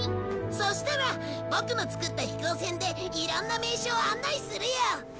そしたらボクの作った飛行船でいろんな名所を案内するよ！